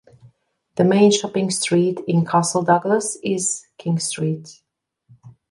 The main shopping street in Castle Douglas is King Street.